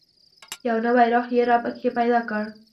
یو نوی روح یې را پکښې پیدا کړ.